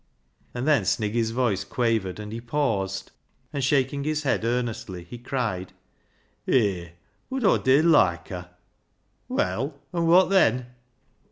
And then Sniggy's voice quavered, and he paused, and shaking his head earnestly, he cried —" Hay, bud Aw did loike her." " Well, an' wot then